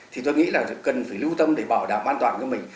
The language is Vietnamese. thì tôi nghĩ là cần phải lưu tâm để bảo đảm an toàn cho mình